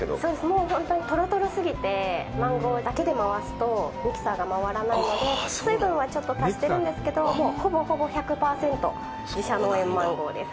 もうほんとにとろとろ過ぎて、マンゴーだけで回すとミキサーが回らないので、水分はちょっと足してるんですけど、もう、ほぼほぼ１００％、自社農園マンゴーです。